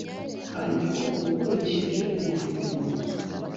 Ariko ukoresheje urufunguzo